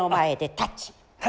タッチ。